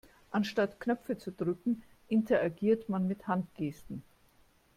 Anstatt Knöpfe zu drücken, interagiert man mit Handgesten.